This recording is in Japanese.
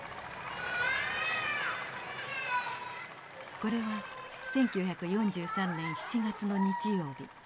これは１９４３年７月の日曜日。